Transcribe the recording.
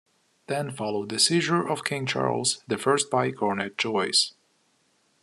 Then followed the seizure of King Charles the First by Cornet Joyce.